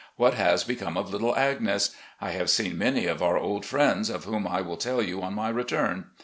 What has become of little Agnes ? I have seen many of our old friends, of whom I will tell you on my return.